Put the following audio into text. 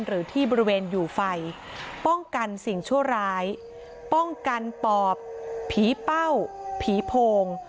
หรือที่บริเวณอยู่ไฟป้องกันสิ่งชั่วร้ายป้องกันปอบผีเป้าผีโพง